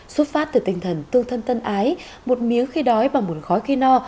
xuất phát từ tinh thần tương thân tân ái một miếng khi đói và một khói khi no